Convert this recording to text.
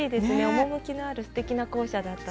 趣のあるすてきな校舎でした。